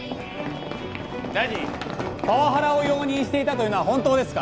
大臣パワハラを容認していたというのは本当ですか？